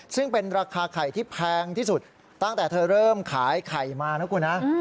ซึ่งเป็นราคาไข่ที่แพงที่สุดตั้งแต่เธอเริ่มขายไข่มานะคุณนะ